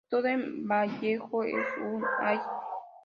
Todo en Vallejo es un ¡ay!